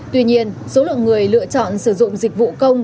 tuy nhiên số lượng người lựa chọn sử dụng dịch vụ công